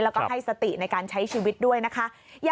แล้วก็ให้สติในการใช้ชีวิตด้วยนะคะ